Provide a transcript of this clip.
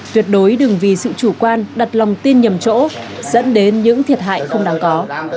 tuyệt đối đừng vì sự chủ quan đặt lòng tin nhầm chỗ dẫn đến những thiệt hại không đáng có